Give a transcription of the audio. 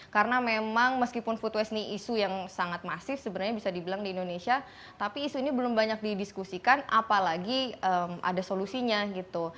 karena memang meskipun food waste ini isu yang sangat masif sebenarnya bisa dibilang di indonesia tapi isu ini belum banyak didiskusikan apalagi ada solusinya gitu